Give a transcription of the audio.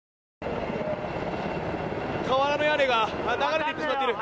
瓦の屋根が流れてしまっている。